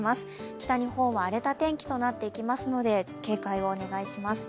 北日本は荒れた天気となっていきますので警戒をお願いします。